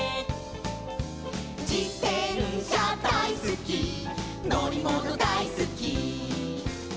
「じてんしゃだいすきのりものだいすき」